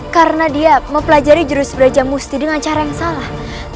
karena dia mempelajari jurus belajar musti dengan cara yang salah